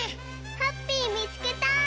ハッピーみつけた！